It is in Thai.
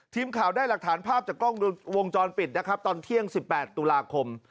ทีมข่าวได้หลักฐานภาพจากกล้องวงจรปิดนะครับตอนเที่ยง๑๘ตุลาคม